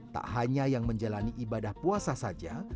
tak hanya yang menjalani ibadah puasa saja